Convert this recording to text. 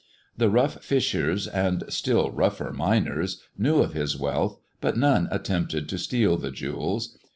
The rough fishers, and still rougher miners, knew of his wealth, but none attempted to steal the jewels.